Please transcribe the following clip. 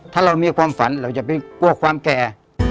ถ้าเรามีความฝันเราจะไปกลัวความแก่